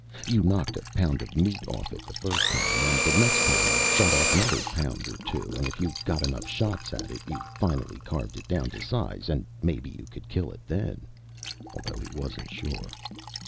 You knocked a pound of meat off it the first time, and the next time you shot off another pound or two, and if you got enough shots at it, you finally carved it down to size and maybe you could kill it then, although he wasn't sure.